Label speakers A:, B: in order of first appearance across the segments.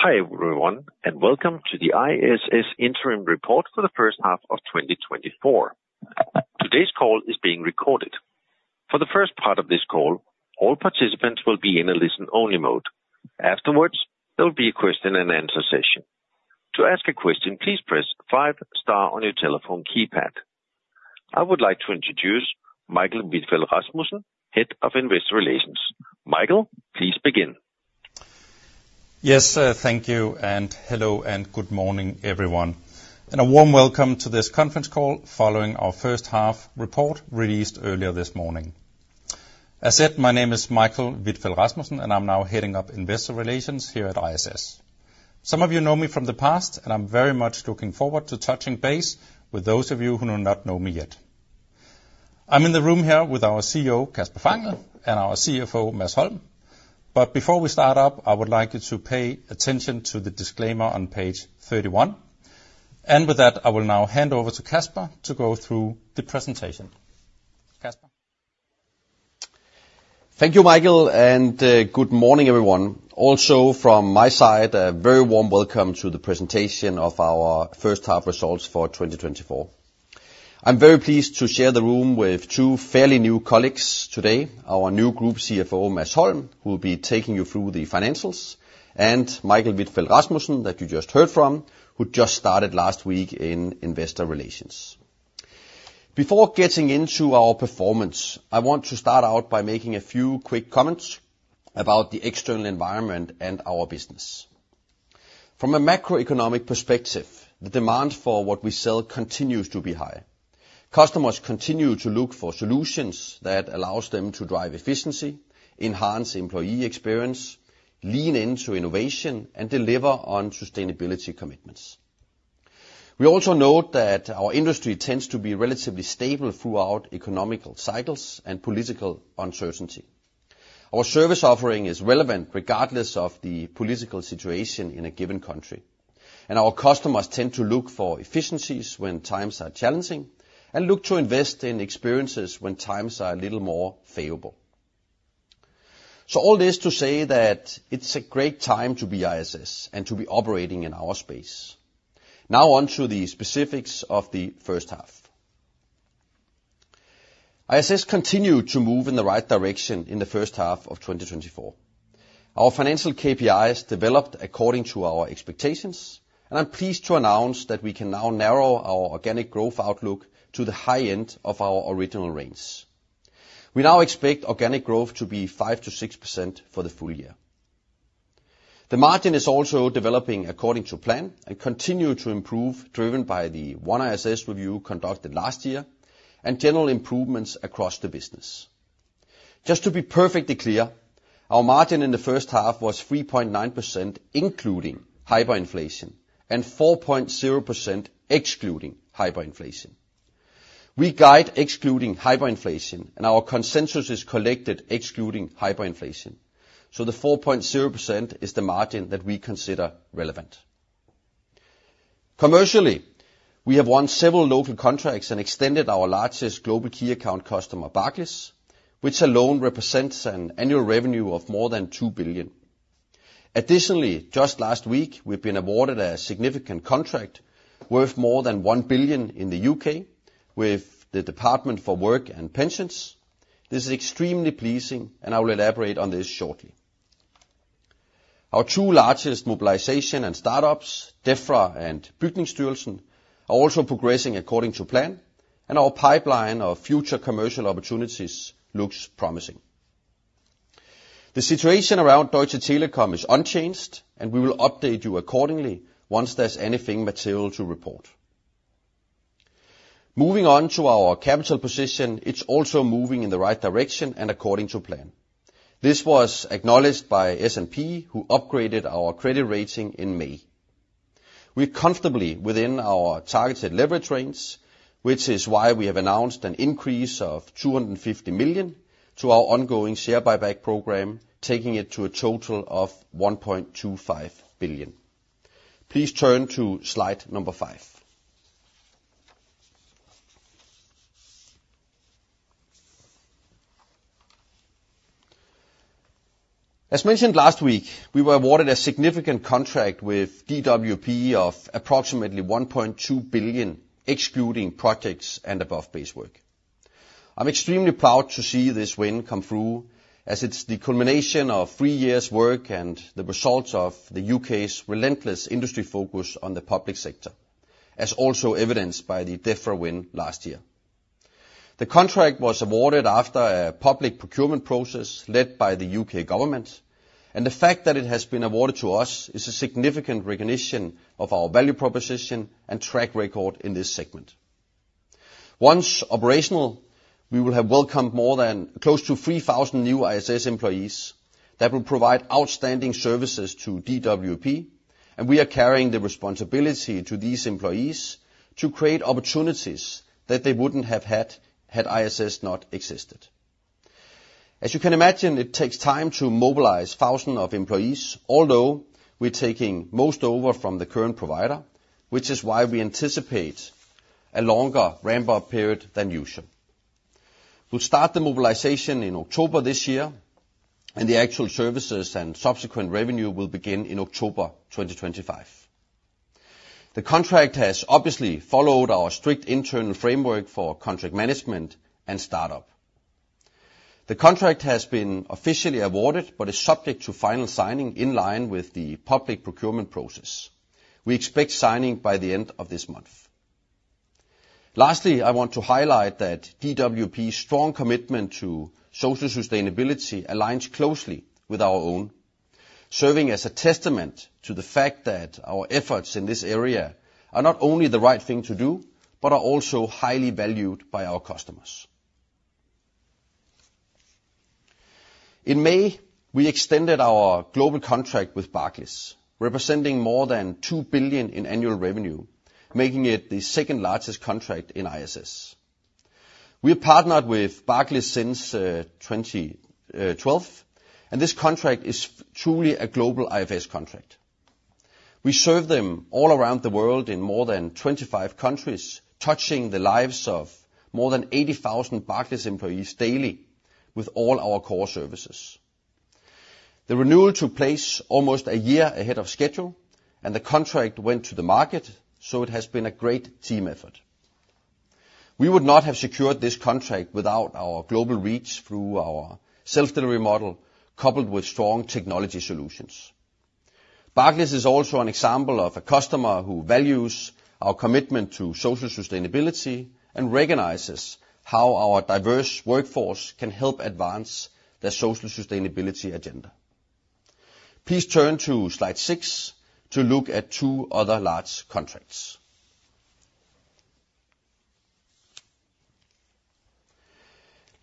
A: Hi, everyone, and welcome to the ISS Interim Report for the first half of 2024. Today's call is being recorded. For the first part of this call, all participants will be in a listen-only mode. Afterwards, there will be a question-and-answer session. To ask a question, please press five star on your telephone keypad. I would like to introduce Michael Vitfell-Rasmussen, Head of Investor Relations. Michael, please begin.
B: Yes, thank you, and hello, and good morning, everyone, and a warm welcome to this conference call following our first half report released earlier this morning. As said, my name is Michael Vitfell-Rasmussen, and I'm now heading up Investor Relations here at ISS. Some of you know me from the past, and I'm very much looking forward to touching base with those of you who do not know me yet. I'm in the room here with our CEO, Kasper Fangel, and our CFO, Mads Holm. But before we start up, I would like you to pay attention to the disclaimer on page 31. And with that, I will now hand over to Kasper to go through the presentation. Kasper?
C: Thank you, Michael, and good morning, everyone. Also, from my side, a very warm welcome to the presentation of our first half results for 2024. I'm very pleased to share the room with two fairly new colleagues today, our new group CFO, Mads Holm, who will be taking you through the financials, and Michael Vitfell-Rasmussen, that you just heard from, who just started last week in Investor Relations. Before getting into our performance, I want to start out by making a few quick comments about the external environment and our business. From a macroeconomic perspective, the demand for what we sell continues to be high. Customers continue to look for solutions that allows them to drive efficiency, enhance employee experience, lean into innovation, and deliver on sustainability commitments. We also note that our industry tends to be relatively stable throughout economic cycles and political uncertainty. Our service offering is relevant regardless of the political situation in a given country, and our customers tend to look for efficiencies when times are challenging, and look to invest in experiences when times are a little more favorable. So all this to say that it's a great time to be ISS and to be operating in our space. Now on to the specifics of the first half. ISS continued to move in the right direction in the first half of 2024. Our financial KPIs developed according to our expectations, and I'm pleased to announce that we can now narrow our organic growth outlook to the high end of our original range. We now expect organic growth to be 5%-6% for the full year. The margin is also developing according to plan and continue to improve, driven by the OneISS review conducted last year, and general improvements across the business. Just to be perfectly clear, our margin in the first half was 3.9%, including hyperinflation, and 4.0%, excluding hyperinflation. We guide excluding hyperinflation, and our consensus is collected excluding hyperinflation, so the 4.0% is the margin that we consider relevant. Commercially, we have won several local contracts and extended our largest global key account customer, Barclays, which alone represents an annual revenue of more than 2 billion. Additionally, just last week, we've been awarded a significant contract worth more than 1 billion in the U.K. with the Department for Work and Pensions. This is extremely pleasing, and I will elaborate on this shortly. Our two largest mobilization and startups, Defra and Bygningsstyrelsen, are also progressing according to plan, and our pipeline of future commercial opportunities looks promising. The situation around Deutsche Telekom is unchanged, and we will update you accordingly once there's anything material to report. Moving on to our capital position, it's also moving in the right direction and according to plan. This was acknowledged by S&P, who upgraded our credit rating in May. We're comfortably within our targeted leverage range, which is why we have announced an increase of 250 million to our ongoing share buyback program, taking it to a total of 1.25 billion. Please turn to slide 5. As mentioned last week, we were awarded a significant contract with DWP of approximately 1.2 billion, excluding projects and above base work. I'm extremely proud to see this win come through, as it's the culmination of three years' work and the results of the U.K.'s relentless industry focus on the public sector, as also evidenced by the Defra win last year. The contract was awarded after a public procurement process led by the U.K. government, and the fact that it has been awarded to us is a significant recognition of our value proposition and track record in this segment. Once operational, we will have welcomed more than close to 3,000 new ISS employees that will provide outstanding services to DWP, and we are carrying the responsibility to these employees to create opportunities that they wouldn't have had, had ISS not existed. As you can imagine, it takes time to mobilize thousands of employees, although we're taking most over from the current provider, which is why we anticipate a longer ramp-up period than usual. We'll start the mobilization in October this year, and the actual services and subsequent revenue will begin in October 2025. The contract has obviously followed our strict internal framework for contract management and startup. The contract has been officially awarded, but is subject to final signing in line with the public procurement process. We expect signing by the end of this month. Lastly, I want to highlight that DWP's strong commitment to social sustainability aligns closely with our own, serving as a testament to the fact that our efforts in this area are not only the right thing to do, but are also highly valued by our customers. In May, we extended our global contract with Barclays, representing more than 2 billion in annual revenue, making it the second-largest contract in ISS. We have partnered with Barclays since 2012, and this contract is truly a global IFS contract. We serve them all around the world in more than 25 countries, touching the lives of more than 80,000 Barclays employees daily with all our core services. The renewal took place almost a year ahead of schedule, and the contract went to the market, so it has been a great team effort. We would not have secured this contract without our global reach through our self-delivery model, coupled with strong technology solutions. Barclays is also an example of a customer who values our commitment to social sustainability, and recognizes how our diverse workforce can help advance their social sustainability agenda. Please turn to Slide 6 to look at two other large contracts.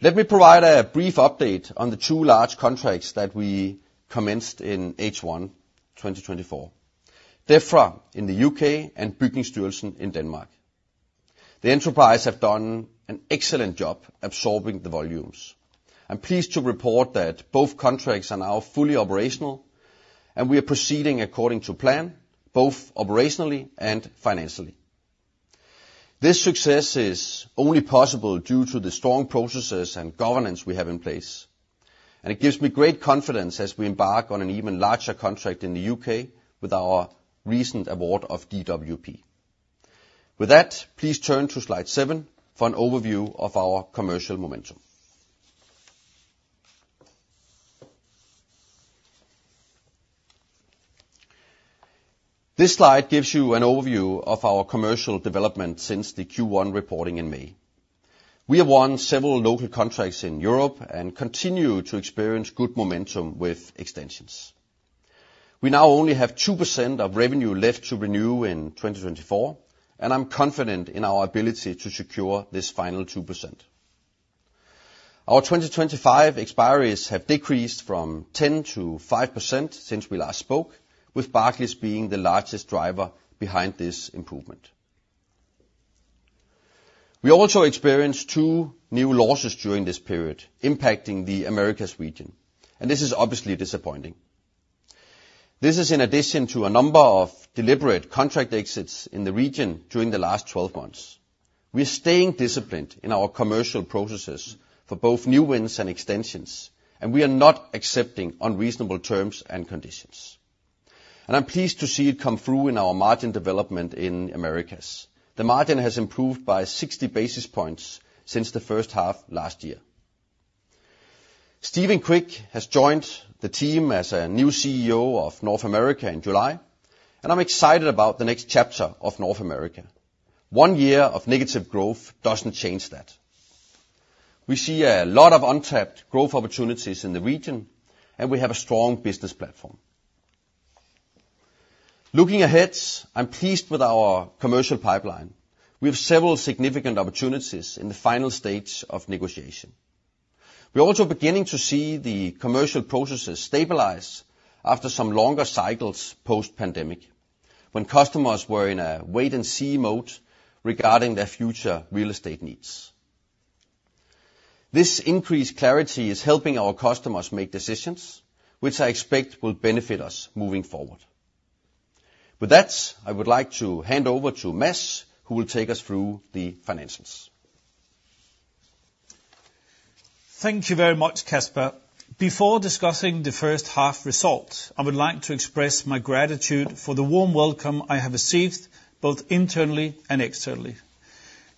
C: Let me provide a brief update on the two large contracts that we commenced in H1 2024. Defra in the U.K. and Bygningsstyrelsen in Denmark. The enterprise have done an excellent job absorbing the volumes. I'm pleased to report that both contracts are now fully operational, and we are proceeding according to plan, both operationally and financially. This success is only possible due to the strong processes and governance we have in place, and it gives me great confidence as we embark on an even larger contract in the U.K. with our recent award of DWP. With that, please turn to Slide 7 for an overview of our commercial momentum. This slide gives you an overview of our commercial development since the Q1 reporting in May. We have won several local contracts in Europe and continue to experience good momentum with extensions. We now only have 2% of revenue left to renew in 2024, and I'm confident in our ability to secure this final 2%. Our 2025 expiries have decreased from 10% to 5% since we last spoke, with Barclays being the largest driver behind this improvement. We also experienced 2 new losses during this period, impacting the Americas region, and this is obviously disappointing. This is in addition to a number of deliberate contract exits in the region during the last 12 months. We are staying disciplined in our commercial processes for both new wins and extensions, and we are not accepting unreasonable terms and conditions, and I'm pleased to see it come through in our margin development in Americas. The margin has improved by 60 basis points since the first half last year. Steven Quick has joined the team as a new CEO of North America in July, and I'm excited about the next chapter of North America. One year of negative growth doesn't change that. We see a lot of untapped growth opportunities in the region, and we have a strong business platform. Looking ahead, I'm pleased with our commercial pipeline. We have several significant opportunities in the final stages of negotiation. We're also beginning to see the commercial processes stabilize after some longer cycles post-pandemic, when customers were in a wait-and-see mode regarding their future real estate needs. This increased clarity is helping our customers make decisions which I expect will benefit us moving forward. With that, I would like to hand over to Mads, who will take us through the financials.
D: Thank you very much, Kasper. Before discussing the first half results, I would like to express my gratitude for the warm welcome I have received, both internally and externally.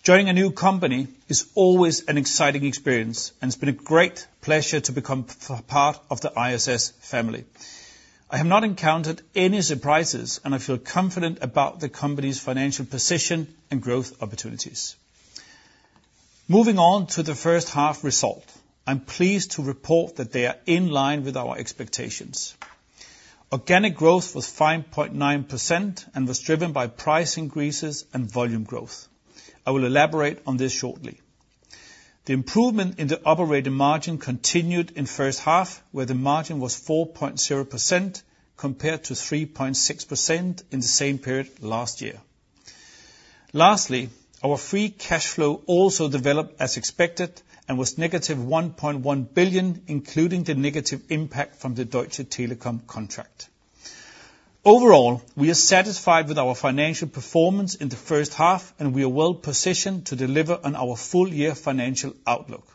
D: Joining a new company is always an exciting experience, and it's been a great pleasure to become part of the ISS family. I have not encountered any surprises, and I feel confident about the company's financial position and growth opportunities. Moving on to the first half result, I'm pleased to report that they are in line with our expectations. Organic growth was 5.9% and was driven by price increases and volume growth. I will elaborate on this shortly. The improvement in the operating margin continued in first half, where the margin was 4.0%, compared to 3.6% in the same period last year. Lastly, our free cash flow also developed as expected and was -1.1 billion, including the negative impact from the Deutsche Telekom contract. Overall, we are satisfied with our financial performance in the first half, and we are well positioned to deliver on our full year financial outlook.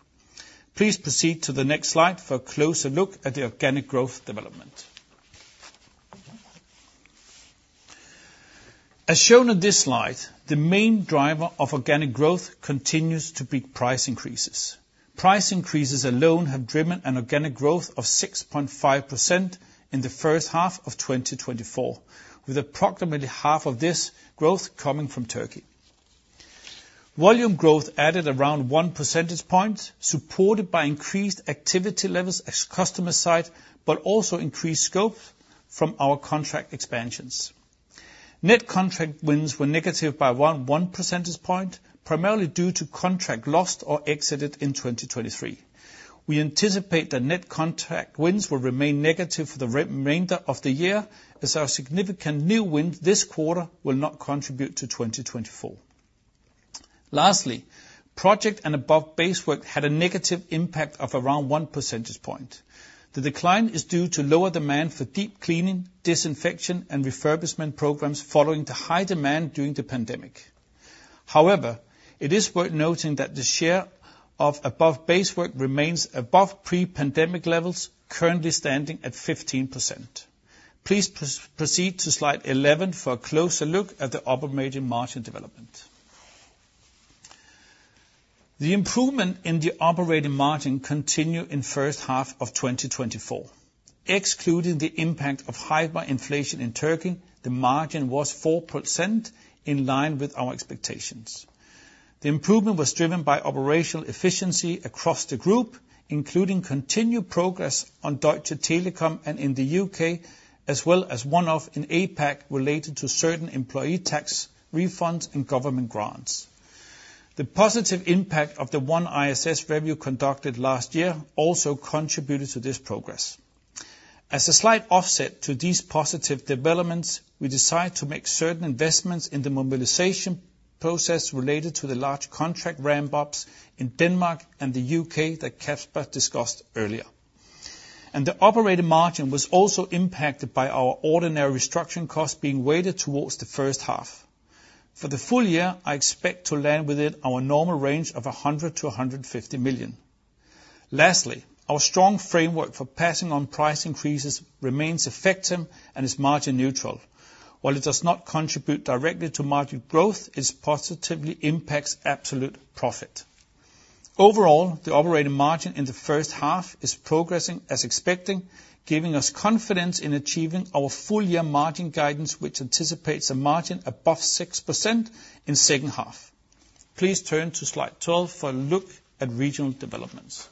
D: Please proceed to the next slide for a closer look at the organic growth development. As shown on this slide, the main driver of organic growth continues to be price increases. Price increases alone have driven an organic growth of 6.5% in the first half of 2024, with approximately half of this growth coming from Türkiye. Volume growth added around 1 percentage point, supported by increased activity levels at customer site, but also increased scope from our contract expansions. Net contract wins were negative by 1 percentage point, primarily due to contract lost or exited in 2023. We anticipate that net contract wins will remain negative for the remainder of the year, as our significant new wins this quarter will not contribute to 2024. Lastly, project and above base work had a negative impact of around 1 percentage point. The decline is due to lower demand for deep cleaning, disinfection, and refurbishment programs following the high demand during the pandemic. However, it is worth noting that the share of above base work remains above pre-pandemic levels, currently standing at 15%. Please proceed to slide 11 for a closer look at the operating margin development. The improvement in the operating margin continued in first half of 2024. Excluding the impact of hyperinflation in Türkiye, the margin was 4%, in line with our expectations. The improvement was driven by operational efficiency across the group, including continued progress on Deutsche Telekom and in the U.K., as well as one-off in APAC related to certain employee tax refunds and government grants. The positive impact of the OneISS review conducted last year also contributed to this progress. As a slight offset to these positive developments, we decided to make certain investments in the mobilization process related to the large contract ramp-ups in Denmark and the U.K. that Kasper discussed earlier. And the operating margin was also impacted by our ordinary restructuring costs being weighted towards the first half. For the full year, I expect to land within our normal range of 100 million-150 million. Lastly, our strong framework for passing on price increases remains effective and is margin neutral. While it does not contribute directly to margin growth, it positively impacts absolute profit. Overall, the operating margin in the first half is progressing as expected, giving us confidence in achieving our full-year margin guidance, which anticipates a margin above 6% in second half. Please turn to slide 12 for a look at regional developments.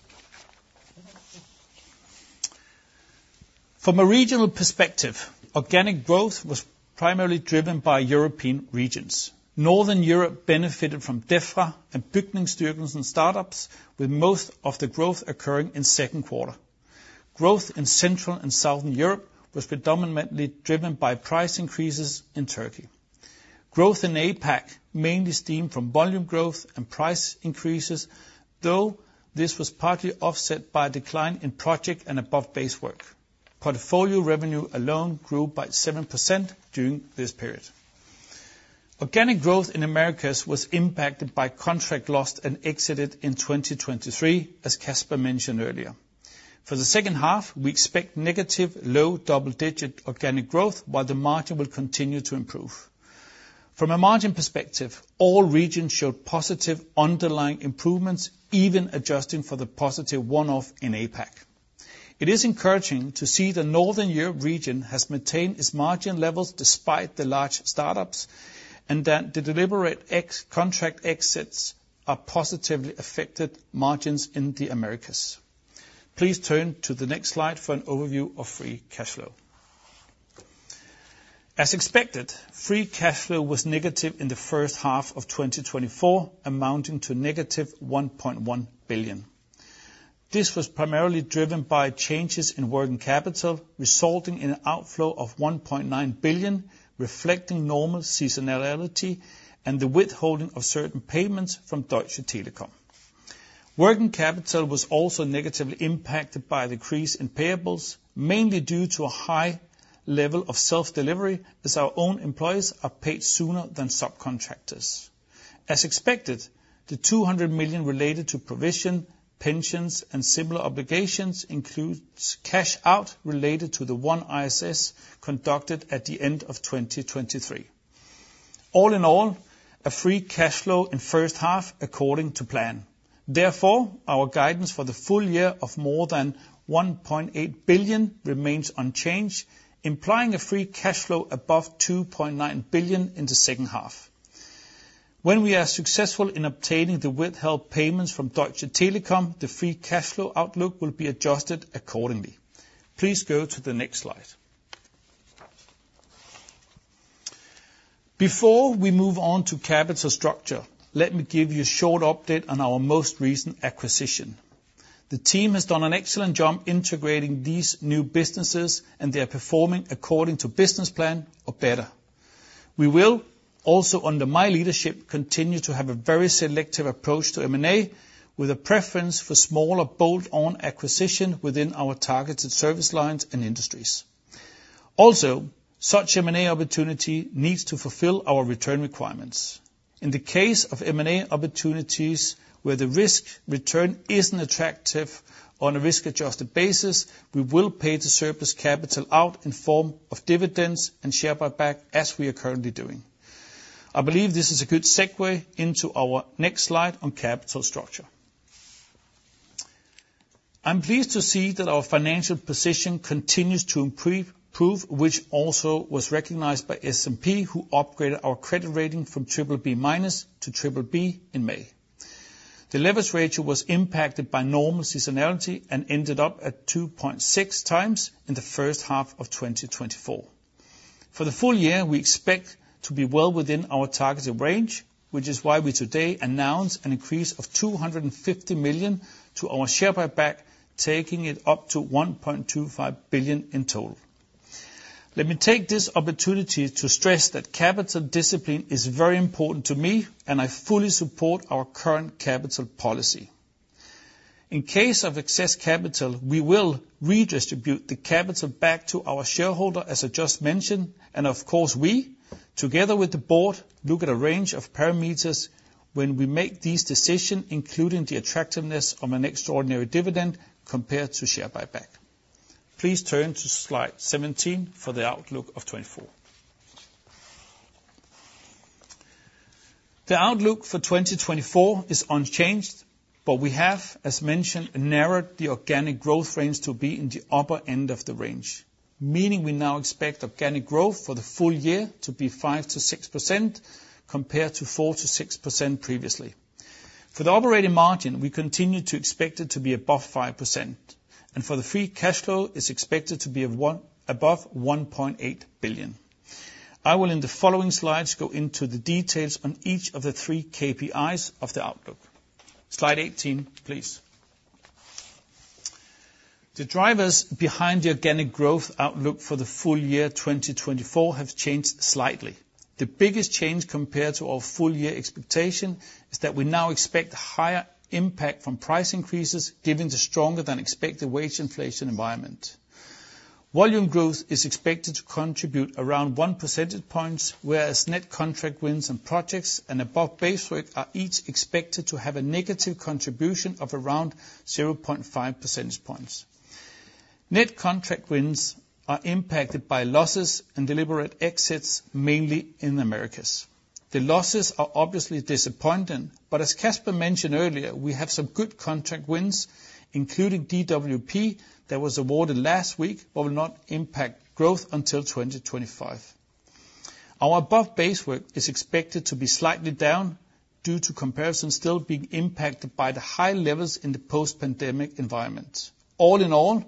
D: From a regional perspective, organic growth was primarily driven by European regions. Northern Europe benefited from Defra and Bygningsstyrelsen startups, with most of the growth occurring in second quarter. Growth in Central and Southern Europe was predominantly driven by price increases in Türkiye. Growth in APAC mainly stemmed from volume growth and price increases, though this was partly offset by a decline in project and above base work. Portfolio revenue alone grew by 7% during this period. Organic growth in Americas was impacted by contract lost and exited in 2023, as Kasper mentioned earlier. For the second half, we expect negative, low-double-digit organic growth, while the margin will continue to improve. From a margin perspective, all regions showed positive underlying improvements, even adjusting for the positive one-off in APAC. It is encouraging to see the Northern Europe region has maintained its margin levels despite the large startups, and that the deliberate ex-contract exits are positively affected margins in the Americas. Please turn to the next slide for an overview of free cash flow. As expected, free cash flow was negative in the first half of 2024, amounting to -1.1 billion. This was primarily driven by changes in working capital, resulting in an outflow of 1.9 billion, reflecting normal seasonality and the withholding of certain payments from Deutsche Telekom. Working capital was also negatively impacted by a decrease in payables, mainly due to a high level of self-delivery, as our own employees are paid sooner than subcontractors. As expected, the 200 million related to provision, pensions, and similar obligations includes cash out related to the OneISS conducted at the end of 2023. All in all, a free cash flow in first half according to plan. Therefore, our guidance for the full year of more than 1.8 billion remains unchanged, implying a free cash flow above 2.9 billion in the second half. When we are successful in obtaining the withheld payments from Deutsche Telekom, the free cash flow outlook will be adjusted accordingly. Please go to the next slide. Before we move on to capital structure, let me give you a short update on our most recent acquisition. The team has done an excellent job integrating these new businesses, and they are performing according to business plan or better. We will also, under my leadership, continue to have a very selective approach to M&A, with a preference for smaller bolt-on acquisition within our targeted service lines and industries. Also, such M&A opportunity needs to fulfill our return requirements. In the case of M&A opportunities where the risk-return isn't attractive on a risk-adjusted basis, we will pay the surplus capital out in form of dividends and share buyback, as we are currently doing. I believe this is a good segue into our next slide on capital structure. I'm pleased to see that our financial position continues to improve, improve, which also was recognized by S&P, who upgraded our credit rating from BBB- to BBB in May. The leverage ratio was impacted by normal seasonality and ended up at 2.6 times in the first half of 2024. For the full year, we expect to be well within our targeted range, which is why we today announce an increase of 250 million to our share buyback, taking it up to 1.25 billion in total. Let me take this opportunity to stress that capital discipline is very important to me, and I fully support our current capital policy. In case of excess capital, we will redistribute the capital back to our shareholder, as I just mentioned, and of course, we, together with the board, look at a range of parameters when we make this decision, including the attractiveness of an extraordinary dividend compared to share buyback. Please turn to slide 17 for the outlook of 2024. The outlook for 2024 is unchanged, but we have, as mentioned, narrowed the organic growth range to be in the upper end of the range, meaning we now expect organic growth for the full year to be 5%-6%, compared to 4%-6% previously. For the operating margin, we continue to expect it to be above 5%, and for the free cash flow, it's expected to be above 1.8 billion. I will, in the following slides, go into the details on each of the 3 KPIs of the outlook. Slide 18, please. The drivers behind the organic growth outlook for the full year 2024 have changed slightly. The biggest change compared to our full-year expectation is that we now expect higher impact from price increases, given the stronger-than-expected wage inflation environment. Volume growth is expected to contribute around 1 percentage points, whereas net contract wins and projects and above base work are each expected to have a negative contribution of around 0.5 percentage points. Net contract wins are impacted by losses and deliberate exits, mainly in the Americas. The losses are obviously disappointing, but as Kasper mentioned earlier, we have some good contract wins, including DWP, that was awarded last week, but will not impact growth until 2025. Our above base work is expected to be slightly down due to comparison still being impacted by the high levels in the post-pandemic environment. All in all,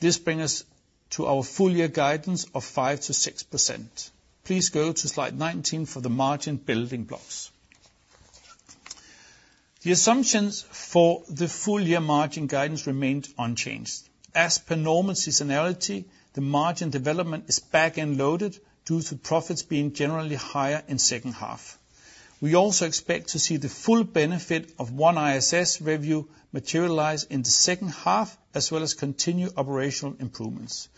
D: this bring us to our full-year guidance of 5%-6%. Please go to slide 19 for the margin building blocks. The assumptions for the full-year margin guidance remained unchanged. As per normal seasonality, the margin development is back-end loaded due to profits being generally higher in second half. We also expect to see the full benefit of OneISS review materialize in the second half, as well as continued operational improvements.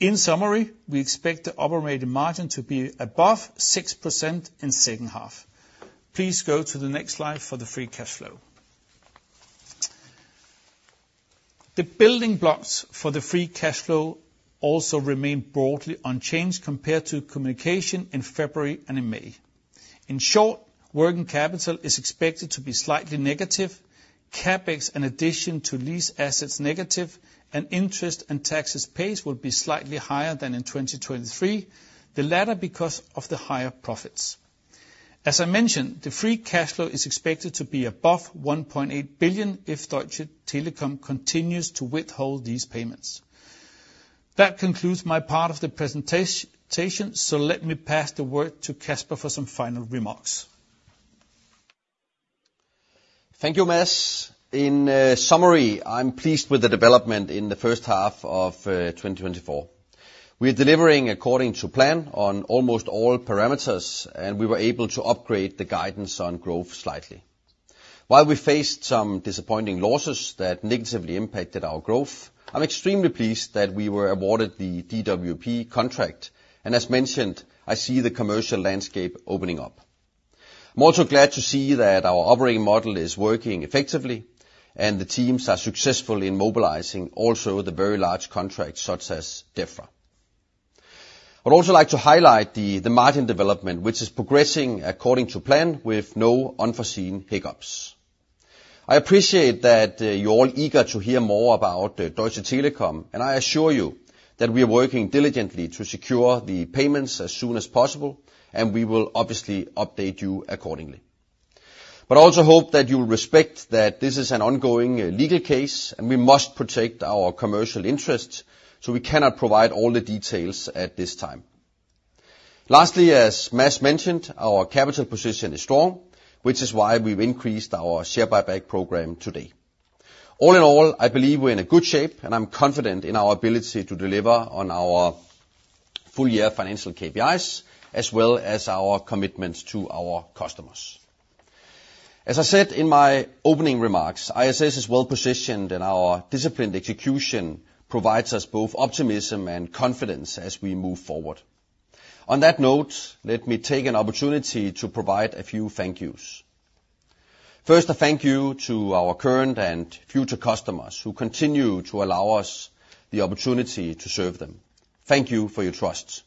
D: In summary, we expect the operating margin to be above 6% in second half. Please go to the next slide for the free cash flow. The building blocks for the free cash flow also remain broadly unchanged compared to communication in February and in May. In short, working capital is expected to be slightly negative, CapEx, in addition to lease assets negative, and interest and taxes pace will be slightly higher than in 2023, the latter because of the higher profits. As I mentioned, the free cash flow is expected to be above 1.8 billion if Deutsche Telekom continues to withhold these payments. That concludes my part of the presentation, so let me pass the word to Kasper for some final remarks.
C: Thank you, Mads. In summary, I'm pleased with the development in the first half of 2024. We're delivering according to plan on almost all parameters, and we were able to upgrade the guidance on growth slightly. While we faced some disappointing losses that negatively impacted our growth, I'm extremely pleased that we were awarded the DWP contract, and as mentioned, I see the commercial landscape opening up. I'm also glad to see that our operating model is working effectively, and the teams are successful in mobilizing also the very large contracts, such as Defra. I'd also like to highlight the, the margin development, which is progressing according to plan with no unforeseen hiccups. I appreciate that, you're all eager to hear more about Deutsche Telekom, and I assure you that we are working diligently to secure the payments as soon as possible, and we will obviously update you accordingly. But I also hope that you will respect that this is an ongoing, legal case, and we must protect our commercial interests, so we cannot provide all the details at this time. Lastly, as Mads mentioned, our capital position is strong, which is why we've increased our share buyback program today. All in all, I believe we're in a good shape, and I'm confident in our ability to deliver on our full-year financial KPIs, as well as our commitment to our customers. As I said in my opening remarks, ISS is well-positioned, and our disciplined execution provides us both optimism and confidence as we move forward. On that note, let me take an opportunity to provide a few thank yous. First, a thank you to our current and future customers, who continue to allow us the opportunity to serve them. Thank you for your trust.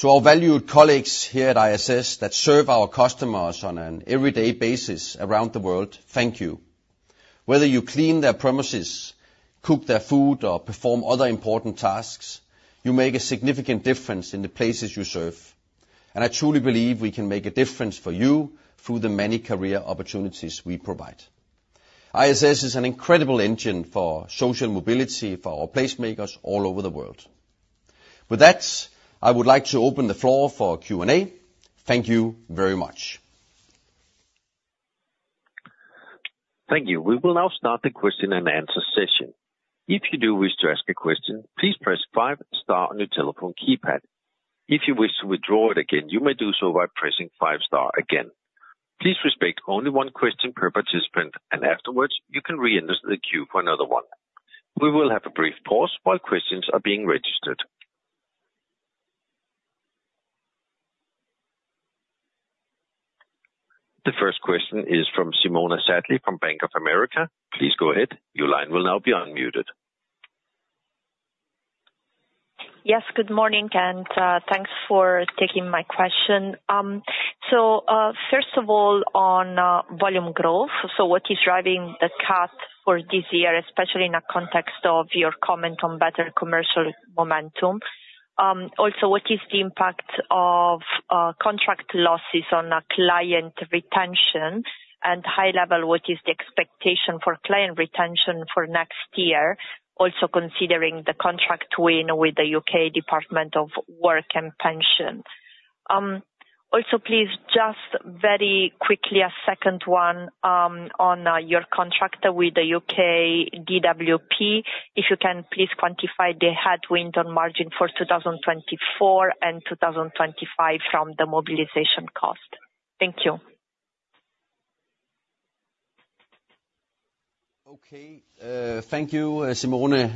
C: To our valued colleagues here at ISS that serve our customers on an everyday basis around the world, thank you. Whether you clean their premises, cook their food, or perform other important tasks, you make a significant difference in the places you serve, and I truly believe we can make a difference for you through the many career opportunities we provide. ISS is an incredible engine for social mobility for our placemakers all over the world. With that, I would like to open the floor for Q&A. Thank you very much.
A: Thank you. We will now start the question and answer session. If you do wish to ask a question, please press five star on your telephone keypad. If you wish to withdraw it again, you may do so by pressing five star again. Please respect only one question per participant, and afterwards, you can re-enter the queue for another one. We will have a brief pause while questions are being registered. The first question is from Simona Sarli, from Bank of America. Please go ahead. Your line will now be unmuted.
E: Yes, good morning, and, thanks for taking my question. So, first of all, on, volume growth, so what is driving the cut for this year, especially in the context of your comment on better commercial momentum? Also, what is the impact of, contract losses on a client retention, and high level, what is the expectation for client retention for next year, also considering the contract win with the U.K. Department for Work and Pensions? Also, please, just very quickly, a second one, on, your contract with the U.K. DWP, if you can please quantify the headwind on margin for 2024 and 2025 from the mobilization cost. Thank you.
C: Okay, thank you, Simona.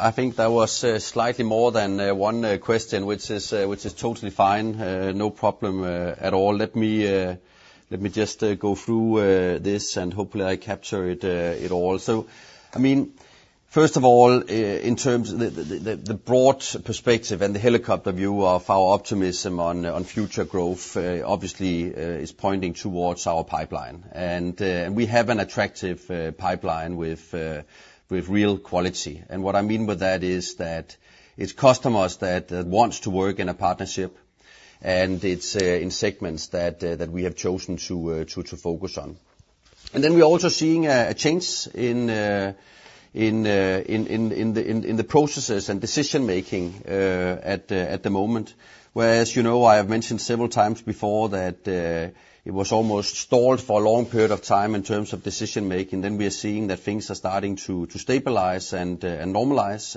C: I think that was slightly more than one question, which is totally fine, no problem at all. Let me just go through this, and hopefully I capture it all. So, I mean, first of all, in terms of the broad perspective and the helicopter view of our optimism on future growth, obviously is pointing towards our pipeline, and we have an attractive pipeline with real quality. And what I mean by that is that it's customers that wants to work in a partnership, and it's in segments that we have chosen to focus on. And then we're also seeing a change in the processes and decision-making at the moment. Whereas, you know, I have mentioned several times before that it was almost stalled for a long period of time in terms of decision-making, then we are seeing that things are starting to stabilize and normalize,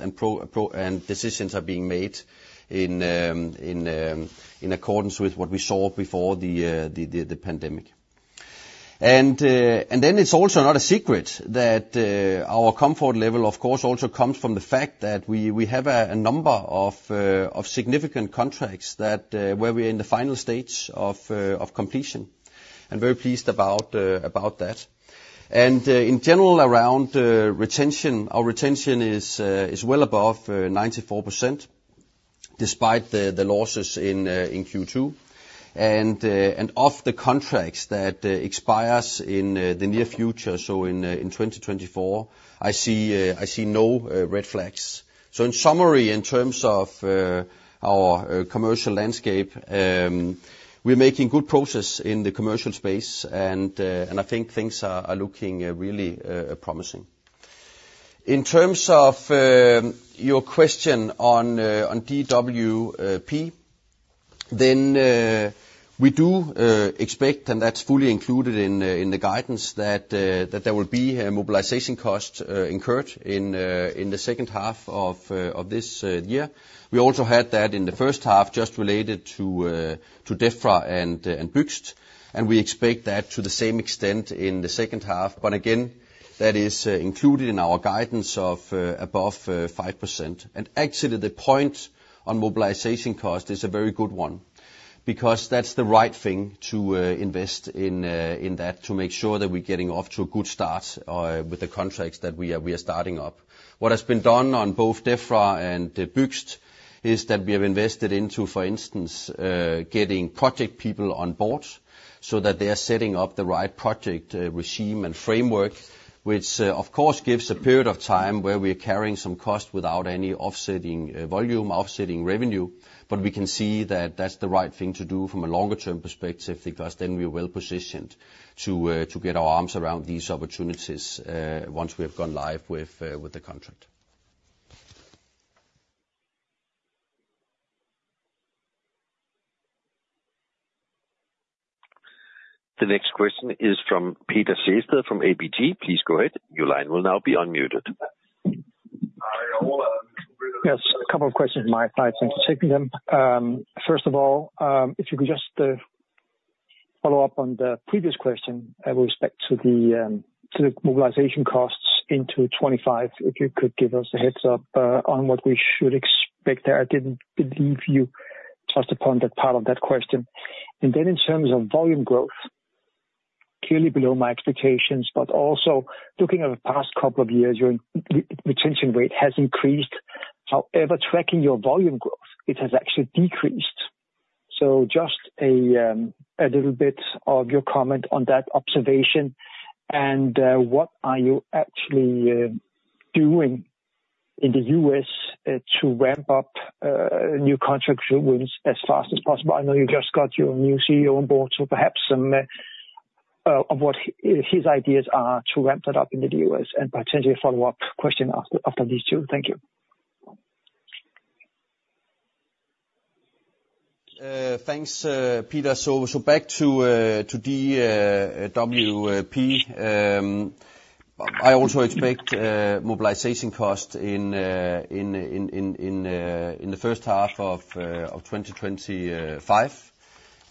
C: and decisions are being made in accordance with what we saw before the pandemic. And then it's also not a secret that our comfort level, of course, also comes from the fact that we have a number of significant contracts that where we're in the final stages of completion, and very pleased about that. In general, around retention, our retention is well above 94%, despite the losses in Q2, and of the contracts that expires in the near future, so in 2024, I see no red flags. In summary, in terms of our commercial landscape, we're making good progress in the commercial space, and I think things are looking really promising. In terms of your question on DWP, then we do expect, and that's fully included in the guidance, that there will be mobilization costs incurred in the second half of this year. We also had that in the first half, just related to Defra and Bygningsstyrelsen, and we expect that to the same extent in the second half. But again, that is included in our guidance of above 5%. And actually, the point on mobilization cost is a very good one, because that's the right thing to invest in, in that, to make sure that we're getting off to a good start with the contracts that we are starting up. What has been done on both Defra and Bygningsstyrelsen is that we have invested into, for instance, getting project people on board so that they are setting up the right project regime and framework, which of course gives a period of time where we are carrying some cost without any offsetting volume, offsetting revenue. But we can see that that's the right thing to do from a longer term perspective, because then we're well-positioned to get our arms around these opportunities, once we have gone live with the contract.
A: The next question is from Peter Sehested from ABG Sundal Collier. Please go ahead. Your line will now be unmuted.
F: Yes, a couple of questions, my thoughts anticipating them. First of all, if you could just, follow up on the previous question with respect to the, to the mobilization costs into 2025. If you could give us a heads up, on what we should expect there? I didn't believe you touched upon that part of that question. And then in terms of volume growth, clearly below my expectations, but also looking at the past couple of years, your re-retention rate has increased. However, tracking your volume growth, it has actually decreased. So just a, a little bit of your comment on that observation, and, what are you actually, doing in the U.S., to ramp up, new contractual wins as fast as possible? I know you just got your new CEO on board, so perhaps some of what his ideas are to ramp that up in the U.S., and potentially a follow-up question after these two. Thank you.
C: Thanks, Peter. So, back to the DWP. I also expect mobilization cost in the first half of 2025.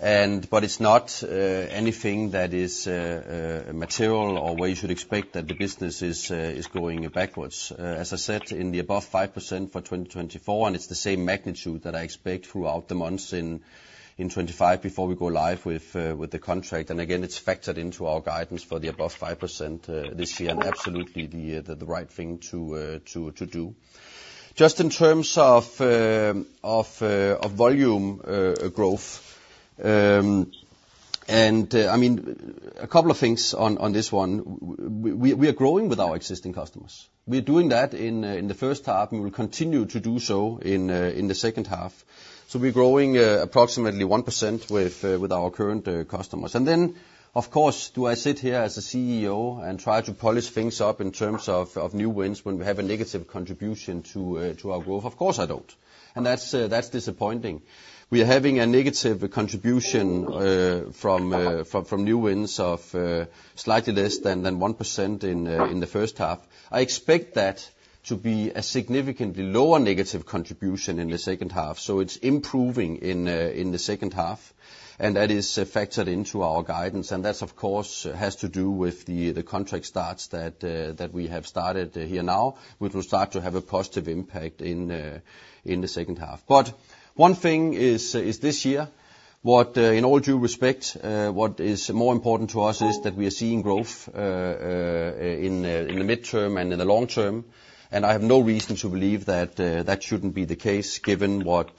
C: But it's not anything that is material, or where you should expect that the business is going backwards. As I said, in the above 5% for 2024, and it's the same magnitude that I expect throughout the months in 2025, before we go live with the contract. And again, it's factored into our guidance for the above 5% this year. And absolutely the right thing to do. Just in terms of volume growth. And I mean, a couple of things on this one. We are growing with our existing customers. We're doing that in the first half, and we'll continue to do so in the second half. So we're growing approximately 1% with our current customers. And then, of course, do I sit here as a CEO and try to polish things up in terms of new wins when we have a negative contribution to our growth? Of course I don't! And that's disappointing. We are having a negative contribution from new wins of slightly less than 1% in the first half. I expect that to be a significantly lower negative contribution in the second half, so it's improving in the second half, and that is factored into our guidance. That, of course, has to do with the contract starts that we have started here now, which will start to have a positive impact in the second half. But one thing is this year, what, in all due respect, what is more important to us is that we are seeing growth in the midterm and in the long term. And I have no reason to believe that that shouldn't be the case, given what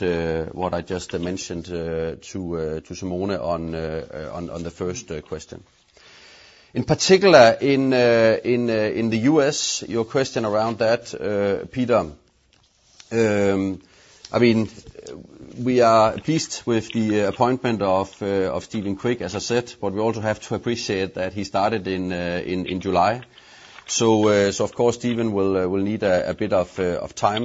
C: I just mentioned to Simona on the first question. In particular, in the U.S., your question around that, Peter. I mean, we are pleased with the appointment of Steven Quick, as I said, but we also have to appreciate that he started in July. So, of course, Steven will need a bit of time.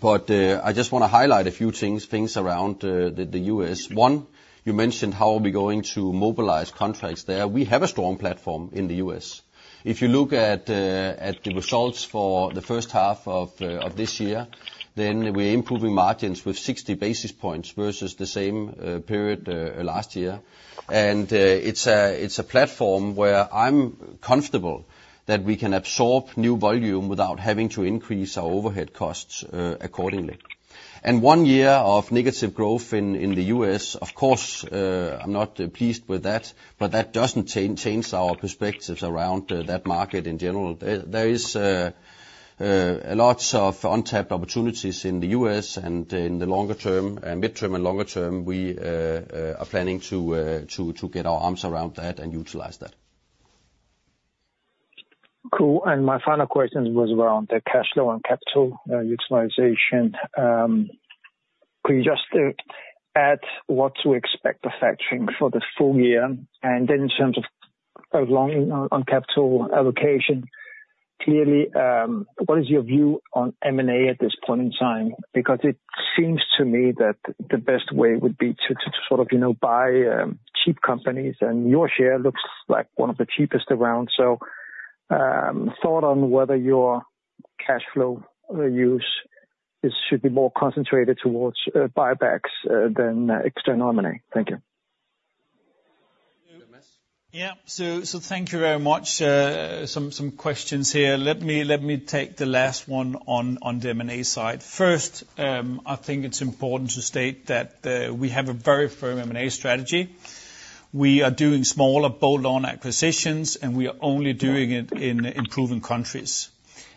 C: But I just wanna highlight a few things around the U.S. One, you mentioned how are we going to mobilize contracts there? We have a strong platform in the U.S. If you look at the results for the first half of this year, then we're improving margins with 60 basis points versus the same period last year. And it's a platform where I'm comfortable that we can absorb new volume without having to increase our overhead costs accordingly. One year of negative growth in the U.S., of course, I'm not pleased with that, but that doesn't change our perspectives around that market in general. There is a lot of untapped opportunities in the U.S., and in the longer term, midterm and longer term, we are planning to get our arms around that and utilize that.
F: Cool. And my final question was around the cash flow and capital utilization. Could you just add what to expect the factoring for the full year? And then in terms of long on, on capital allocation, clearly, what is your view on M&A at this point in time? Because it seems to me that the best way would be to, to sort of, you know, buy cheap companies, and your share looks like one of the cheapest around. So, thought on whether your cash flow use is should be more concentrated towards buybacks than external M&A. Thank you.
D: Yeah. So, thank you very much. Some questions here. Let me take the last one on the M&A side. First, I think it's important to state that we have a very firm M&A strategy. We are doing smaller, bolt-on acquisitions, and we are only doing it in proven countries,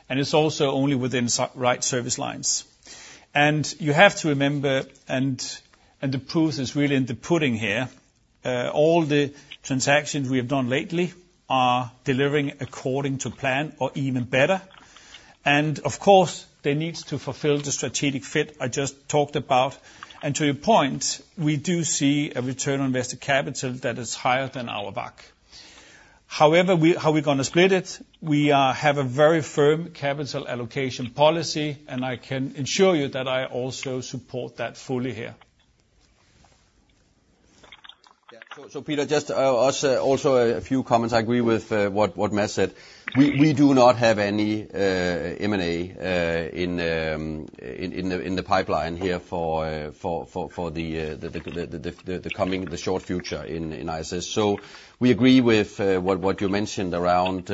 D: and it's also only within si—right service lines. And you have to remember, the proof is really in the pudding here, all the transactions we have done lately are delivering according to plan or even better. And of course, they need to fulfill the strategic fit I just talked about. And to your point, we do see a return on invested capital that is higher than our WACC. However, how we're gonna split it, we have a very firm capital allocation policy, and I can assure you that I also support that fully here.
C: Yeah. So, Peter, just also a few comments. I agree with what Mads said. We do not have any M&A in the pipeline here for the coming short future in ISS. So we agree with what you mentioned around,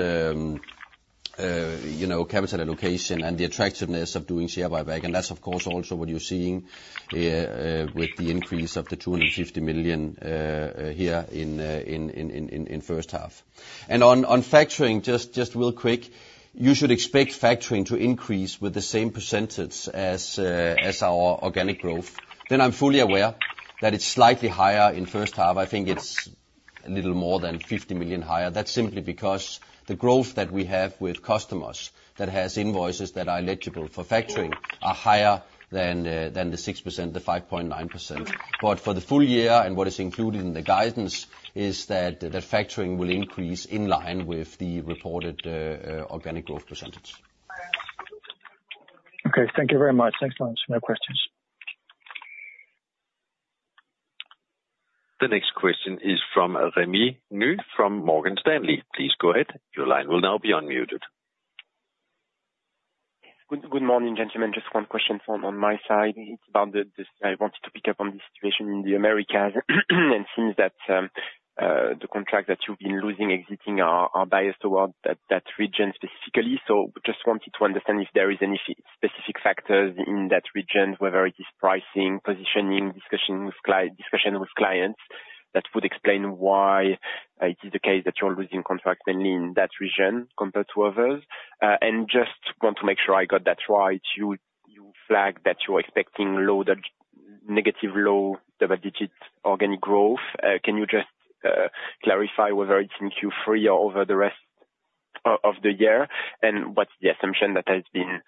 C: you know, capital allocation and the attractiveness of doing share buyback. And that's, of course, also what you're seeing with the increase of 250 million here in first half. And on factoring, just real quick, you should expect factoring to increase with the same percentage as our organic growth. Then I'm fully aware that it's slightly higher in first half. I think it's a little more than 50 million higher. That's simply because the growth that we have with customers that has invoices that are eligible for factoring are higher than the, than the 6%, the 5.9%. But for the full year, and what is included in the guidance, is that the factoring will increase in line with the reported organic growth percentage.
F: Okay, thank you very much. Thanks a lot. No questions.
A: The next question is from Rémi Grenu from Morgan Stanley. Please go ahead. Your line will now be unmuted.
G: Good, good morning, gentlemen. Just one question from on my side. It's about the situation in the Americas. I wanted to pick up on the situation in the Americas. It seems that the contracts that you've been losing, exiting are biased towards that region specifically. So just wanted to understand if there is any specific factors in that region, whether it is pricing, positioning, discussion with clients, that would explain why it is the case that you're losing contracts only in that region compared to others. And just want to make sure I got that right, you flagged that you're expecting low double—negative low double digits organic growth. Can you just clarify whether it's in Q3 or over the rest of the year, and what's the assumption that has been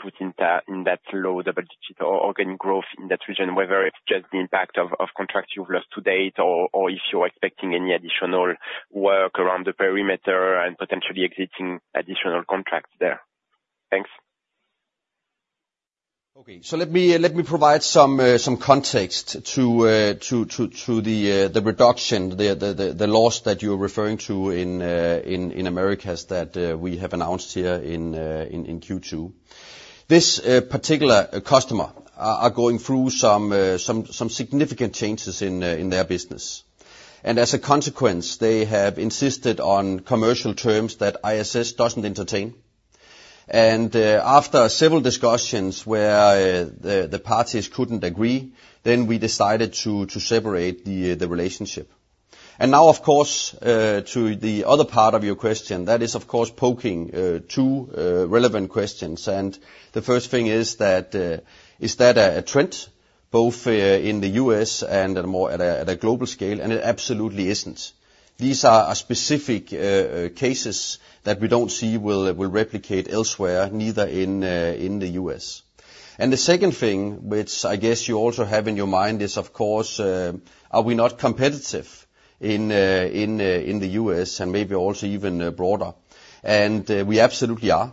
G: put into that low double-digit organic growth in that region? Whether it's just the impact of contracts you've lost to date, or if you're expecting any additional work around the perimeter and potentially exiting additional contracts there. Thanks.
C: Okay. Let me provide some context to the reduction, the loss that you're referring to in Americas that we have announced here in Q2. This particular customer are going through some significant changes in their business. As a consequence, they have insisted on commercial terms that ISS doesn't entertain. After several discussions where the parties couldn't agree, then we decided to separate the relationship. Now, of course, to the other part of your question, that is, of course, posing two relevant questions. The first thing is that is that a trend both in the U.S. and at a more global scale? It absolutely isn't. These are specific cases that we don't see will replicate elsewhere, neither in the U.S. The second thing, which I guess you also have in your mind, is, of course, are we not competitive in the U.S. and maybe also even broader? We absolutely are.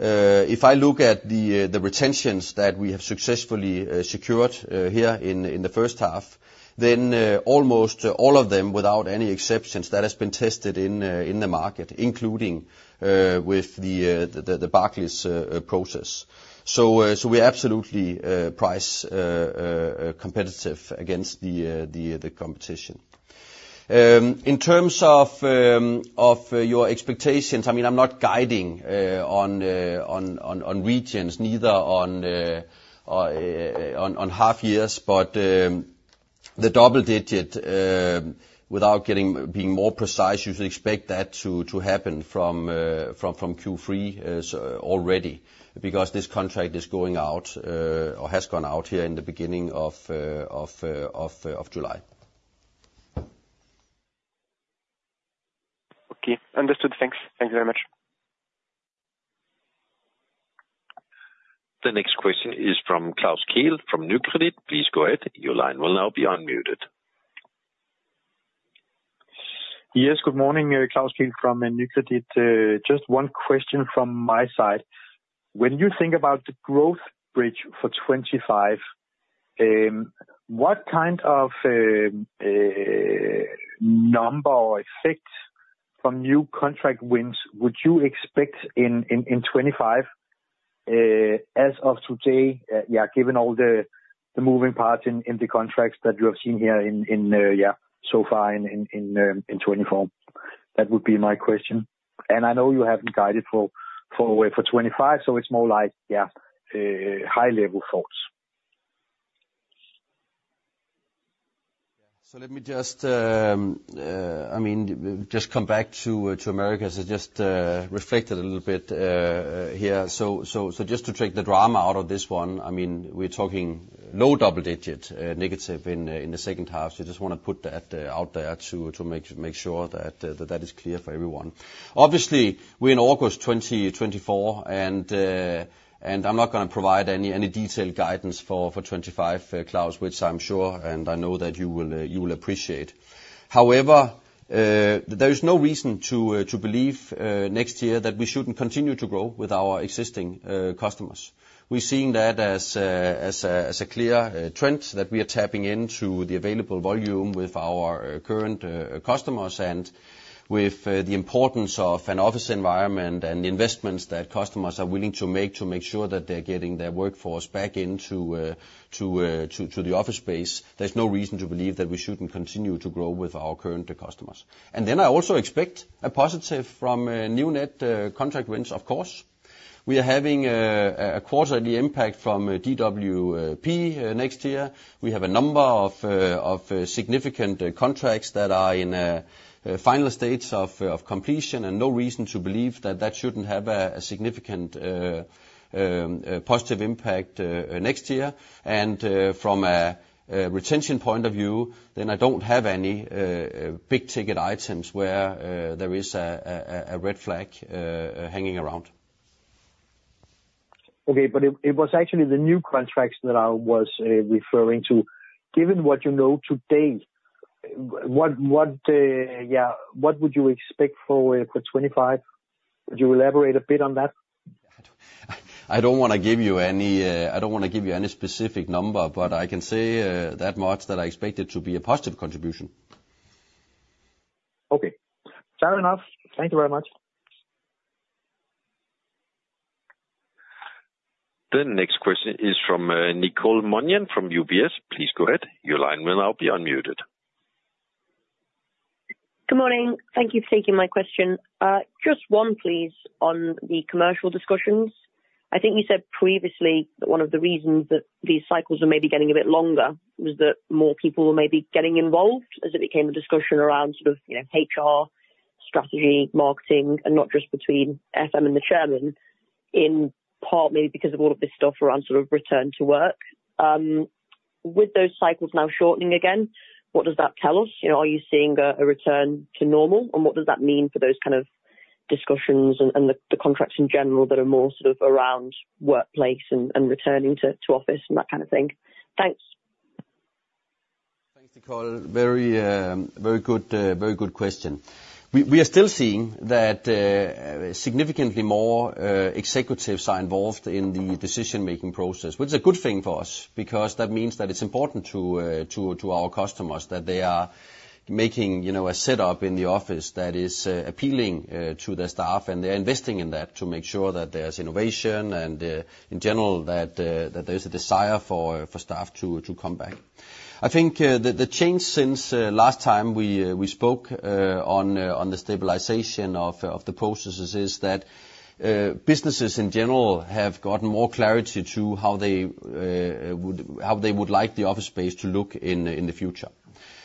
C: If I look at the retentions that we have successfully secured here in the first half, then almost all of them, without any exceptions, that has been tested in the market, including with the Barclays process. So we're absolutely price competitive against the competition. In terms of your expectations, I mean, I'm not guiding on regions neither on half years, but the double digit, without getting being more precise, you should expect that to happen from Q3, so already, because this contract is going out or has gone out here in the beginning of July.
G: Okay. Understood. Thanks. Thank you very much.
A: The next question is from Klaus Kehl, from Nykredit Markets. Please go ahead. Your line will now be unmuted.
H: Yes, good morning. Klaus Kehl from Nykredit Markets. Just one question from my side. When you think about the growth bridge for 2025, what kind of number or effect from new contract wins would you expect in 2025, as of today, yeah, given all the moving parts in the contracts that you have seen here in, yeah, so far in 2024? That would be my question. I know you haven't guided for 2025, so it's more like, yeah, high-level thoughts.
C: So let me just, I mean, just come back to Americas. I just reflected a little bit here. So just to take the drama out of this one, I mean, we're talking low double digits negative in the second half. So just wanna put that out there to make sure that is clear for everyone. Obviously, we're in August 2024, and I'm not gonna provide any detailed guidance for 2025, Klaus, which I'm sure and I know that you will appreciate. However, there is no reason to believe next year that we shouldn't continue to grow with our existing customers. We've seen that as a clear trend, that we are tapping into the available volume with our current customers. And with the importance of an office environment and the investments that customers are willing to make to make sure that they're getting their workforce back into to the office space, there's no reason to believe that we shouldn't continue to grow with our current customers. And then I also expect a positive from new net contract wins, of course. We are having a quarterly impact from DWP next year. We have a number of significant contracts that are in final stages of completion, and no reason to believe that that shouldn't have a significant positive impact next year. From a retention point of view, then I don't have any big-ticket items where there is a red flag hanging around.
H: Okay, but it was actually the new contracts that I was referring to. Given what you know today, what would you expect for 2025? Would you elaborate a bit on that?
C: I don't want to give you any specific number, but I can say that much, that I expect it to be a positive contribution.
H: Okay. Fair enough. Thank you very much.
A: The next question is from Nicole Manion from UBS. Please go ahead. Your line will now be unmuted.
I: Good morning. Thank you for taking my question. Just one, please, on the commercial discussions. I think you said previously that one of the reasons that these cycles are maybe getting a bit longer, was that more people were maybe getting involved, as it became a discussion around sort of, you know, HR, strategy, marketing, and not just between FM and the chairman, and partly because of all of this stuff around sort of return to work. With those cycles now shortening again, what does that tell us? You know, are you seeing a return to normal, and what does that mean for those kind of discussions and the contracts in general that are more sort of around workplace and returning to office and that kind of thing? Thanks.
C: Thanks, Nicole. Very, very good question. We are still seeing that significantly more executives are involved in the decision-making process, which is a good thing for us, because that means that it's important to our customers that they are making, you know, a setup in the office that is appealing to their staff, and they're investing in that to make sure that there's innovation, and in general, that there's a desire for staff to come back. I think the change since last time we spoke on the stabilization of the processes is that businesses in general have gotten more clarity to how they would like the office space to look in the future.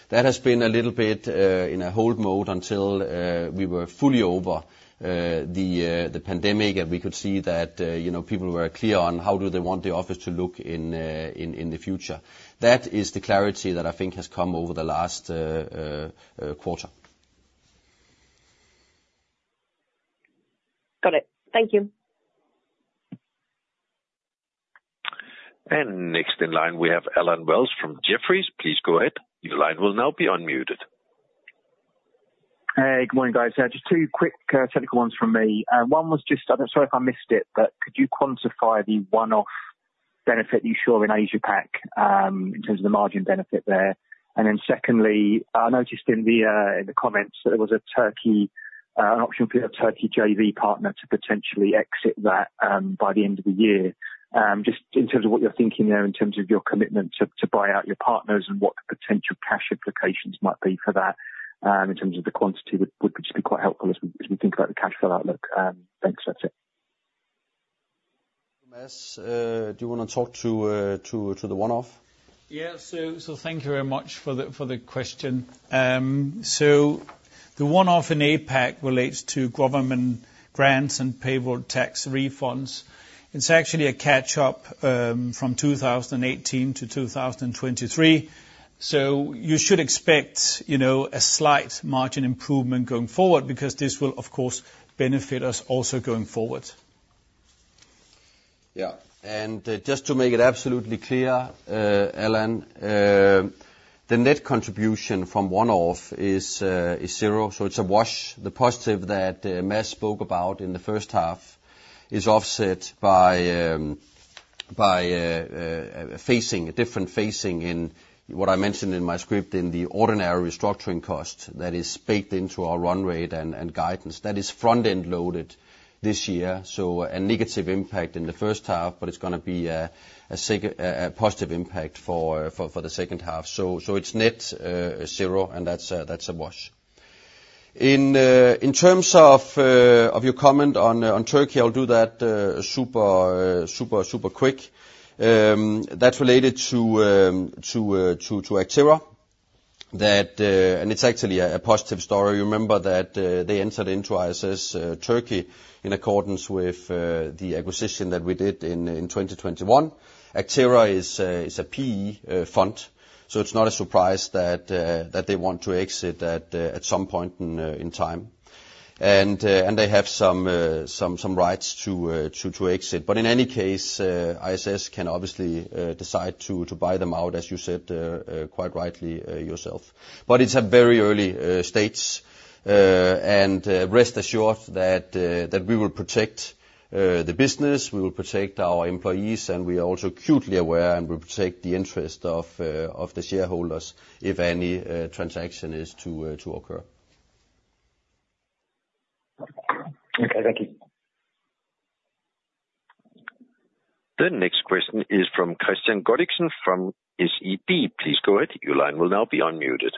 C: That has been a little bit in a hold mode until we were fully over the pandemic, and we could see that, you know, people were clear on how do they want the office to look in the future. That is the clarity that I think has come over the last quarter.
I: Got it. Thank you.
A: Next in line, we have Allen Wells from Jefferies. Please go ahead. Your line will now be unmuted.
J: Hey, good morning, guys. Just two quick technical ones from me. One was just, I'm sorry if I missed it, but could you quantify the one-off benefit you saw in APAC, in terms of the margin benefit there? And then secondly, I noticed in the comments that there was a Türkiye option for your Türkiye JV partner to potentially exit that, by the end of the year. Just in terms of what you're thinking there, in terms of your commitment to buy out your partners, and what the potential cash implications might be for that, in terms of the quantity, would just be quite helpful as we think about the cash flow outlook. Thanks. That's it.
C: Mads, do you want to talk to the one-off?
D: Yeah. So thank you very much for the question. The one-off in APAC relates to government grants and payroll tax refunds. It's actually a catch-up from 2018 to 2023, so you should expect, you know, a slight margin improvement going forward, because this will, of course, benefit us also going forward.
C: Yeah. And just to make it absolutely clear, Allen, the net contribution from one-off is zero, so it's a wash. The positive that Mads spoke about in the first half is offset by a different phasing in what I mentioned in my script, in the ordinary restructuring cost that is baked into our run rate and guidance. That is front-end loaded this year, so a negative impact in the first half, but it's gonna be a positive impact for the second half. So it's net zero, and that's a wash. In terms of your comment on Türkiye, I'll do that super quick. That's related to Actera. And it's actually a positive story. You remember that they entered into ISS Türkiye, in accordance with the acquisition that we did in 2021. Actera is a PE fund, so it's not a surprise that they want to exit at some point in time. And they have some rights to exit. But in any case, ISS can obviously decide to buy them out, as you said, quite rightly, yourself. But it's at very early stages. And rest assured that we will protect the business, we will protect our employees, and we are also acutely aware and will protect the interest of the shareholders if any transaction is to occur.
J: Okay, thank you.
A: The next question is from Kristian Godiksen from SEB. Please go ahead. Your line will now be unmuted.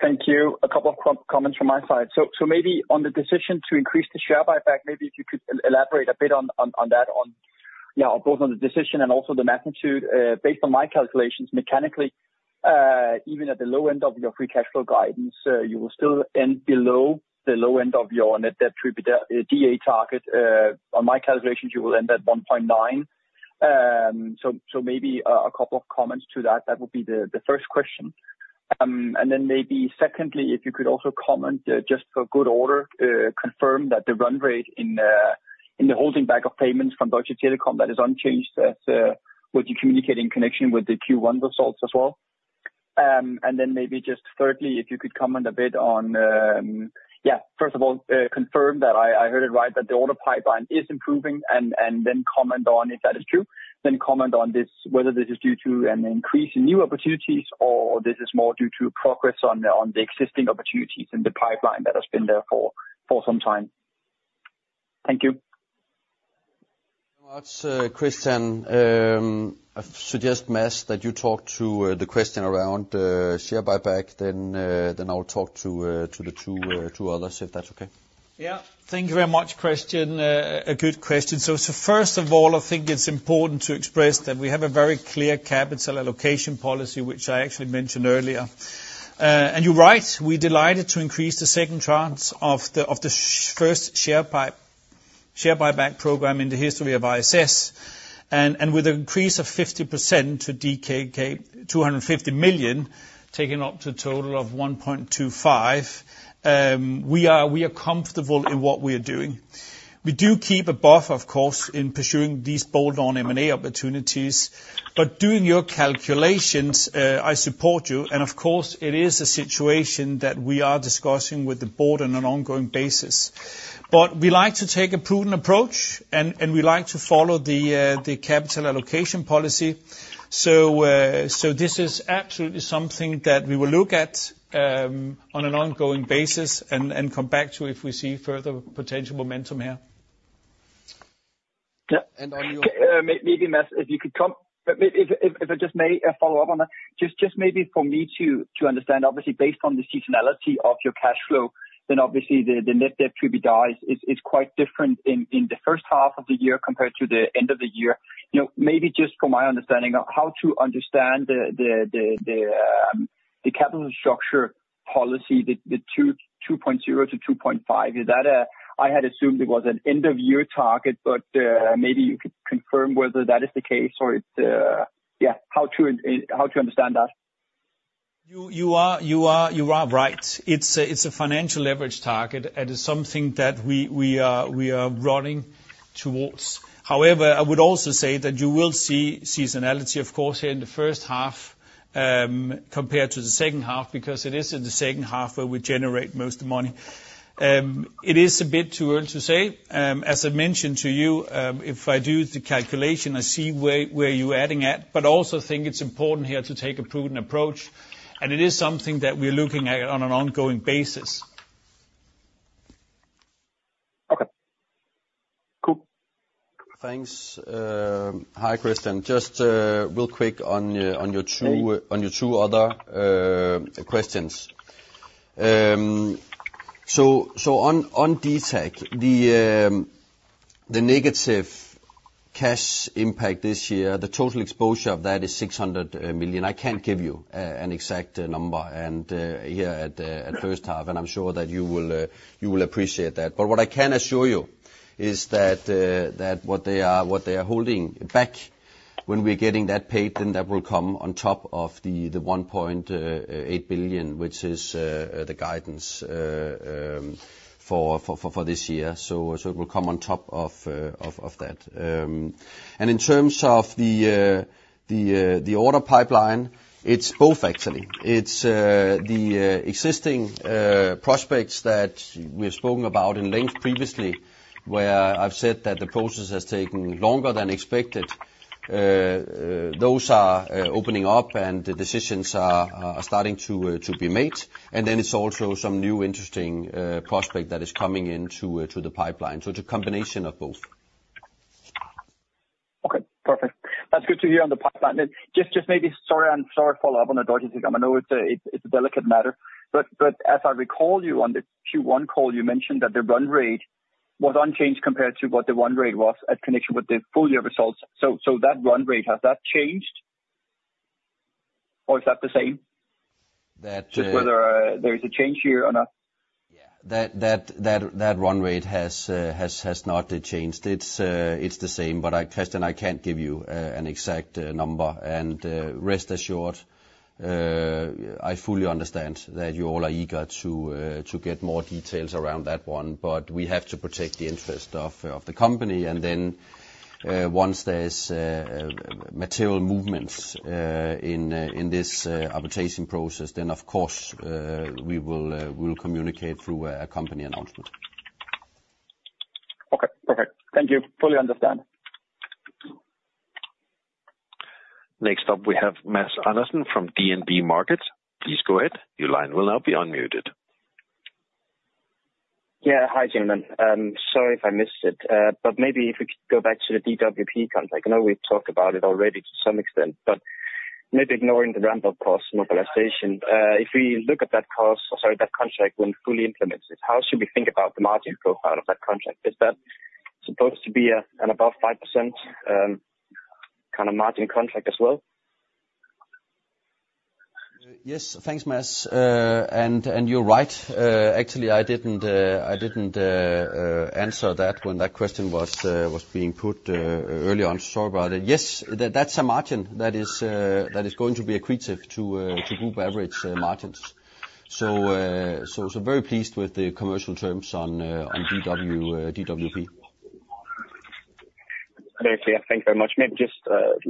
K: Thank you. A couple of comments from my side. So maybe on the decision to increase the share buyback, maybe if you could elaborate a bit on that, yeah, both on the decision and also the magnitude. Based on my calculations, mechanically, even at the low end of your free cash flow guidance, you will still end below the low end of your net debt to EBITDA target. On my calculations, you will end at 1.9. So maybe a couple of comments to that. That would be the first question. And then maybe secondly, if you could also comment, just for good order, confirm that the run rate in, in the holding back of payments from Deutsche Telekom, that is unchanged, as what you communicate in connection with the Q1 results as well. And then maybe just thirdly, if you could comment a bit on, yeah, first of all, confirm that I heard it right, that the order pipeline is improving, and then comment on if that is true. Then comment on this, whether this is due to an increase in new opportunities, or this is more due to progress on the, on the existing opportunities in the pipeline that has been there for some time. Thank you.
C: Thanks, Christian. I suggest, Mads, that you talk to the question around share buyback, then I'll talk to the two others, if that's okay.
D: Yeah. Thank you very much, Kristian. A good question. First of all, I think it's important to express that we have a very clear capital allocation policy, which I actually mentioned earlier. And you're right, we're delighted to increase the second tranche of the first share buyback program in the history of ISS. And with an increase of 50% to 250 million, taking it up to a total of 1.25 billion, we are comfortable in what we are doing. We do keep a buffer, of course, in pursuing these bolt-on M&A opportunities. But doing your calculations, I support you. And of course, it is a situation that we are discussing with the board on an ongoing basis. But we like to take a prudent approach, and we like to follow the capital allocation policy. So, this is absolutely something that we will look at, on an ongoing basis and come back to if we see further potential momentum here.
K: Yeah.
C: And on your—
K: Maybe, Mads, if you could comment, if I just may follow up on that. Just maybe for me to understand, obviously, based on the seasonality of your cash flow, then obviously the net debt to EBITDA is quite different in the first half of the year compared to the end of the year. You know, maybe just for my understanding, how to understand the capital structure policy, the 2.0x-2.5x. Is that? I had assumed it was an end-of-year target, but maybe you could confirm whether that is the case or it's, yeah, how to understand that.
D: You are right. It's a financial leverage target, and it's something that we are running towards. However, I would also say that you will see seasonality, of course, here in the first half, compared to the second half, because it is in the second half where we generate most money. It is a bit too early to say. As I mentioned to you, if I do the calculation, I see where you're adding at, but also think it's important here to take a prudent approach. And it is something that we are looking at on an ongoing basis.
K: Okay. Cool.
C: Thanks. Hi, Christian. Just real quick on your two, on your two other questions. So on Deutsche Telekom, the negative cash impact this year, the total exposure of that is 600 million. I can't give you an exact number and here at first half, and I'm sure that you will appreciate that. But what I can assure you is that what they are holding back, when we're getting that paid, then that will come on top of the 1.8 billion, which is the guidance for this year. So it will come on top of that. And in terms of the order pipeline, it's both actually. It's the existing prospects that we've spoken about at length previously, where I've said that the process has taken longer than expected. Those are opening up, and the decisions are starting to be made. And then it's also some new interesting prospect that is coming into the pipeline. So it's a combination of both.
K: Okay, perfect. That's good to hear on the pipeline. And just maybe—sorry, sorry to follow up on the Deutsche Telekom. I know it's a delicate matter, but as I recall, you on the Q1 call, you mentioned that the run rate was unchanged compared to what the run rate was in connection with the full-year results. So that run rate, has that changed, or is that the same?
C: That, uh—
K: Just whether there is a change here or not?
C: That run rate has not changed. It's the same, but I, Kristian, I can't give you an exact number. And rest assured, I fully understand that you all are eager to get more details around that one, but we have to protect the interest of the company. And then, once there's material movements in this arbitration process, then, of course, we will communicate through a company announcement.
K: Okay. Perfect. Thank you. Fully understand.
A: Next up, we have Mads Andersen from DNB Markets. Please go ahead. Your line will now be unmuted.
L: Yeah, hi, gentlemen. Sorry if I missed it, but maybe if we could go back to the DWP contract. I know we've talked about it already to some extent, but maybe ignoring the ramp-up cost mobilization, if we look at that cost—sorry, that contract when fully implemented, how should we think about the margin profile of that contract? Is that supposed to be a, an above 5%, kind of margin contract as well?
C: Yes, thanks, Mads. And you're right, actually, I didn't answer that when that question was being put early on. Sorry about it. Yes, that's a margin that is going to be accretive to group average margins. So very pleased with the commercial terms on DWP.
L: Okay. Thank you very much. Maybe just,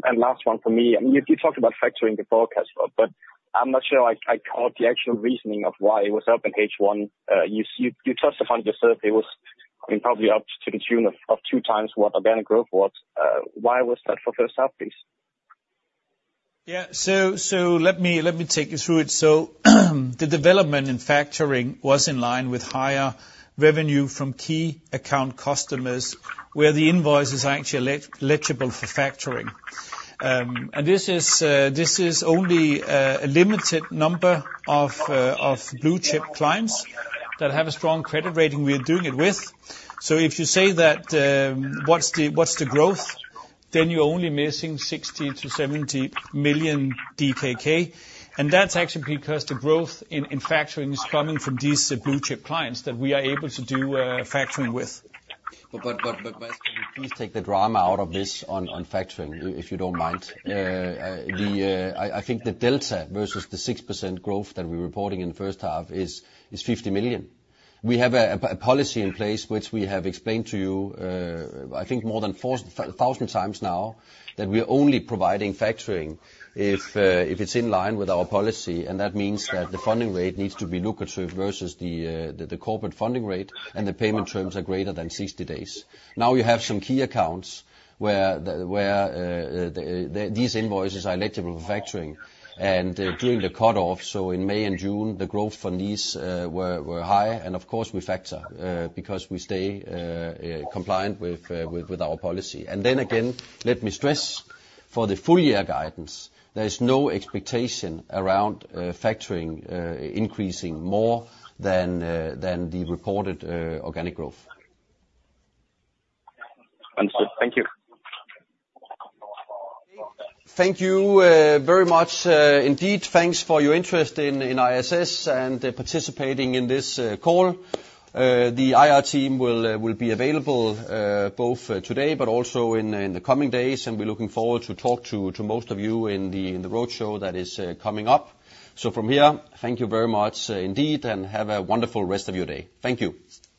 L: and last one for me. I mean, you talked about factoring the forecast, but I'm not sure I caught the actual reasoning of why it was up in H1. You touched upon just that it was, I mean, probably up to the tune of, of 2x what organic growth was. Why was that for first half, please?
D: Yeah. Let me take you through it. So the development in factoring was in line with higher revenue from key account customers, where the invoices are actually eligible for factoring. And this is only a limited number of blue-chip clients that have a strong credit rating we are doing it with. So if you say that, what's the growth, then you're only missing 60 million-70 million DKK, and that's actually because the growth in factoring is coming from these blue-chip clients that we are able to do factoring with.
C: Mads, can you please take the drama out of this on factoring, if you don't mind? I think the delta versus the 6% growth that we're reporting in the first half is 50 million. We have a policy in place, which we have explained to you, I think more than 4,000 times now, that we are only providing factoring if it's in line with our policy, and that means that the funding rate needs to be lucrative versus the corporate funding rate, and the payment terms are greater than 60 days. Now, you have some key accounts where these invoices are eligible for factoring. During the cut-off, so in May and June, the growth for these were high, and of course, we factor because we stay compliant with our policy. And then again, let me stress, for the full-year guidance, there is no expectation around factoring increasing more than the reported organic growth.
L: Understood. Thank you.
C: Thank you, very much, indeed. Thanks for your interest in ISS and participating in this call. The IR team will be available both today, but also in the coming days, and we're looking forward to talk to most of you in the roadshow that is coming up. So from here, thank you very much indeed, and have a wonderful rest of your day. Thank you.